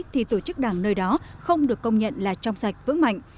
thì tổ chức đảng nơi đó không được công nhận là trong sạch vững mạnh